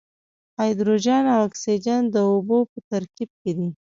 هایدروجن او اکسیجن د اوبو په ترکیب کې دي.